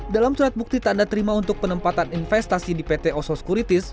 dalam surat bukti tanda terima untuk penempatan investasi di pt oso securitis